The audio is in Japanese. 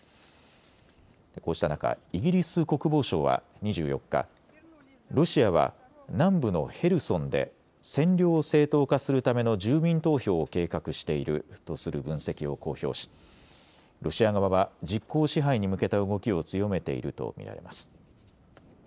こうした中、イギリス国防省は２４日、ロシアは南部のヘルソンで占領を正当化するための住民投票を計画しているとする分析を公表しロシア側は実効支配に向けた動きを強めていると見られます。